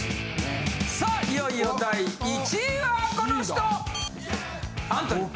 さあいよいよ第１位はこの人！